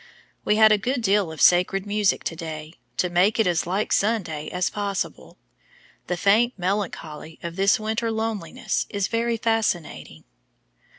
We had a good deal of sacred music to day, to make it as like Sunday as possible. The "faint melancholy" of this winter loneliness is very fascinating.